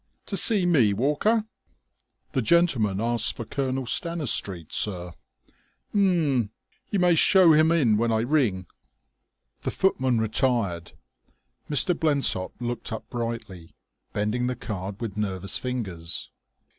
"To see me, Walker?" "The gentleman asked for Colonel Stanistreet, sir." "H'm.... You may show him in when I ring." The footman retired. Mr. Blensop looked up brightly, bending the card with nervous fingers.